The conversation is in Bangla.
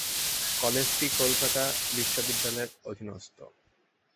কলেজটি কলকাতা বিশ্ববিদ্যালয়ের অধীনস্থ।